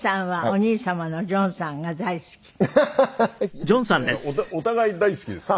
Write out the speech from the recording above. お互い大好きです。